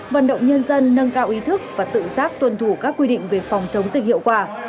vận động nhân dân nâng cao ý thức và tự giác tuân thủ các quy định về phòng chống dịch hiệu quả